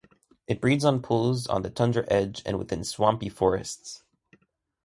It breeds in pools on the tundra edge and within swampy forests.